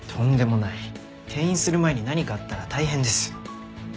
転院する前に何かあったら大変です。